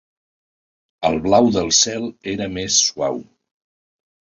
El blau del cel era més suau